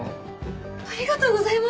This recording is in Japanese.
ありがとうございます。